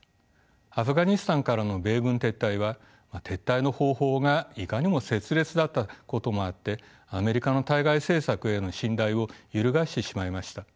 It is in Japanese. アフガニスタンからの米軍撤退は撤退の方法がいかにも拙劣だったこともあってアメリカの対外政策への信頼を揺るがしてしまいました。